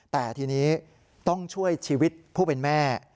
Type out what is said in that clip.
แต่ทีนี้ต้องช่วยชีวิตผู้เป็นแม่